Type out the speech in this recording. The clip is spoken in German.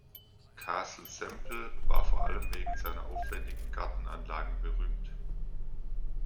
Castle Semple war vor allem wegen seiner aufwändigen Gartenanlagen berühmt.